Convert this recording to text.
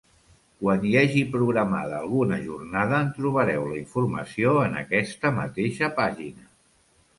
Quan hi hagi programada alguna jornada en trobareu la informació en aquesta mateixa pàgina.